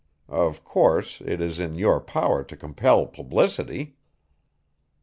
Of course, it is in your power to compel publicity."